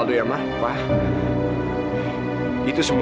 tidak basta kok